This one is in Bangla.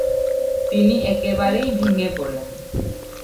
তিনি একেবারেই ভেঙ্গে পড়েন।